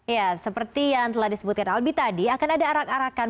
ya seperti yang telah disebutkan albi tadi akan ada arak arakan